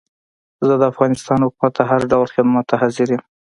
زه د افغانستان حکومت ته هر ډول خدمت ته حاضر یم.